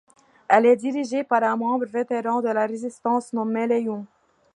Elle est dirigée par un membre vétéran de la résistance nommé Leon.